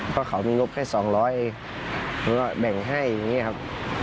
เพราะเขามีงบแค่๒๐๐ผมก็แบ่งให้อย่างนี้ครับ